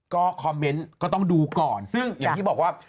ก็คอมเมนต์ก็ต้องดูก่อนซึ่งอย่างที่บอกว่า